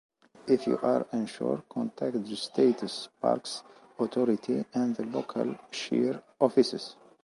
If you are unsure contact the states parks authority and the local shire offices.